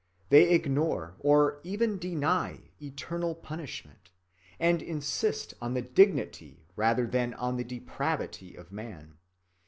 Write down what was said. They ignore, or even deny, eternal punishment, and insist on the dignity rather than on the depravity of man.